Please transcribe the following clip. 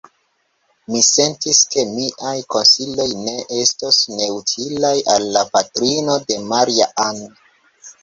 Mi sentis, ke miaj konsiloj ne estos neutilaj al la patrino de Maria-Ann.